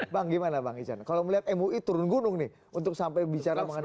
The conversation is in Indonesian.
bang gimana bang ican kalau melihat mui turun gunung nih untuk sampai bicara mengenai